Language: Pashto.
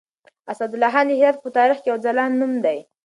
اسدالله خان د هرات په تاريخ کې يو ځلاند نوم دی.